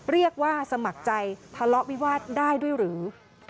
เรียกว่าสมัครใจฐาเลาะวิวาสได้ด้วยหรือ